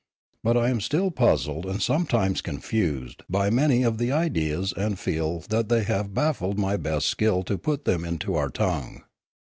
But I am still puzzled and sometimes confused by many of the ideas and feel that they have baffled my best skill to put them into our tongue.